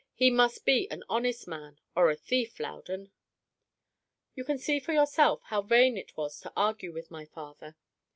He must be an honest man or a thief, Loudon." You can see for yourself how vain it was to argue with my father.